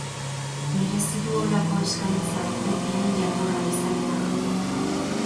Merezi du holako eskaintza beti hain jatorra izateagatik.